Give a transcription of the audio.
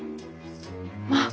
まあ。